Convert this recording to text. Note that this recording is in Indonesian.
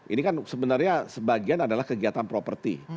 ini kan sebenarnya sebagian adalah kegiatan properti